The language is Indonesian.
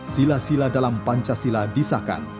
sila sila dalam pancasila disahkan